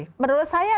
tapi menurut saya